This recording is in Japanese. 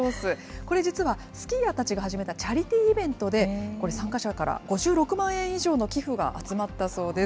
これ、実はスキーヤーたちが始めたチャリティーイベントで、これ、参加者から５６万円以上の寄付が集まったそうです。